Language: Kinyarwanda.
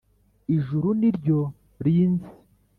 “ijuru ni ryo rinzi